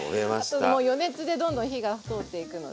あともう余熱でどんどん火がとおっていくので。